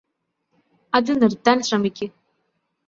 അത് നിര്ത്താന് ശ്രമിക്ക്